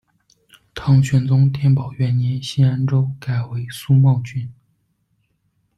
唐玄宗天宝元年新安州改为苏茂郡。